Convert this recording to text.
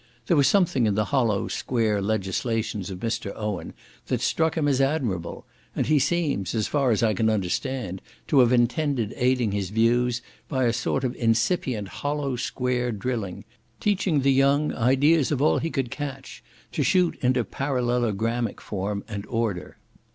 There was something in the hollow square legislations of Mr. Owen, that struck him as admirable, and he seems, as far as I can understand, to have intended aiding his views, by a sort of incipient hollow square drilling; teaching the young ideas of all he could catch, to shoot into parallelogramic form and order.